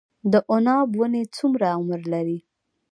د عناب ونې څومره عمر لري؟